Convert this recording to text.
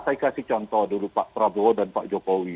saya kasih contoh dulu pak prabowo dan pak jokowi